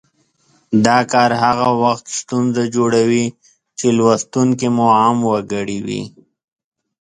دا کار هغه وخت ستونزه جوړوي چې لوستونکي مو عام وګړي وي